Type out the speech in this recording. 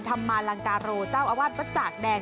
ธรรมาลังกาโรเจ้าอาวาสวัดจากแดง